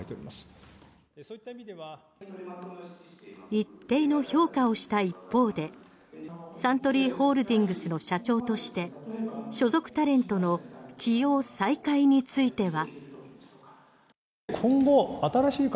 一定の評価をした一方でサントリーホールディングスの社長として所属タレントの起用再開については。